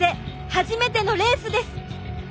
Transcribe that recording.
初めてのレースです。